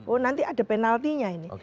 oh nanti ada penaltinya ini